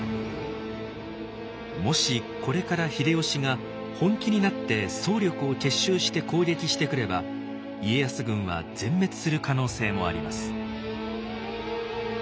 もしこれから秀吉が本気になって総力を結集して攻撃してくれば家康軍は全滅する可能性もあります。